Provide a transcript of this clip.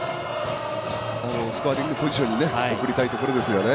スコアリングポジションに送りたいところですよね。